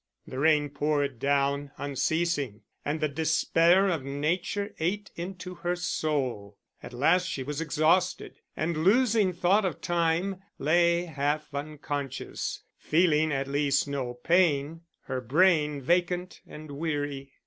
The rain poured down, unceasing, and the despair of nature ate into her soul. At last she was exhausted; and losing thought of time, lay half unconscious, feeling at least no pain, her brain vacant and weary.